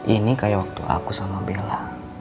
ini kayak waktu aku sama bella